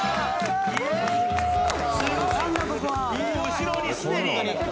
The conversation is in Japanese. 後ろにすでに。